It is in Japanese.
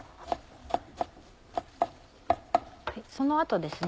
その後ですね